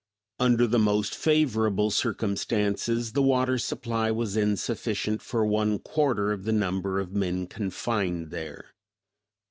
Under the most favorable circumstances the water supply was insufficient for one quarter of the number of men confined there.